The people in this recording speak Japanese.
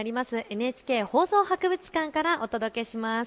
ＮＨＫ放送博物館からお届けします。